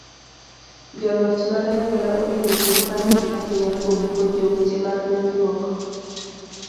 Joloch mag anyuola onego oket pachgi ahinya kuom puonjo weche mag nindruok.